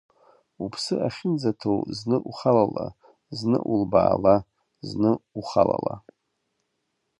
Уԥсы ахьынӡаҭоу зны ухалала, зны улбаала, зны ухалала…